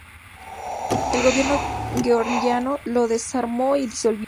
El gobierno georgiano los desarmó y disolvió.